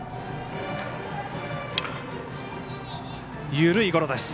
緩いゴロです。